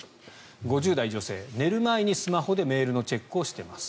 ５０代女性、寝る前にスマホでメールのチェックをしています。